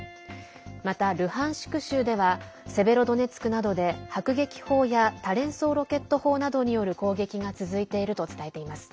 また、ルハンシク州ではセベロドネツクなどで迫撃砲や多連装ロケット砲などによる攻撃が続いていると伝えています。